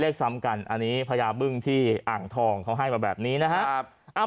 ซ้ำกันอันนี้พญาบึ้งที่อ่างทองเขาให้มาแบบนี้นะครับ